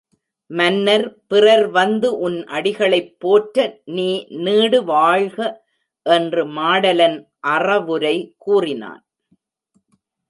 மன்னர் பிறர் வந்து உன் அடிகளைப் போற்ற நீ நீடு வாழ்க! என்று மாடலன் அறவுரை கூறினான்.